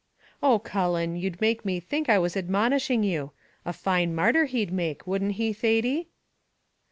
"Oh, Cullen, you'd make one think I was admonishing you. A fine martyr he'd make, wouldn't he, Thady?"